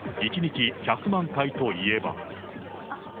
１日１００万回といえば。